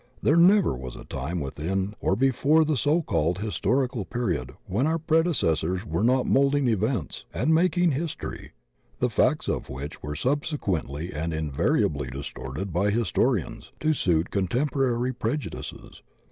There never was a time within or before the so called historical period when our prede cessors were not moulding events and 'making his tory,' the facts of which were subsequently and invar iably distorted by historians to suit contemporary prej udices.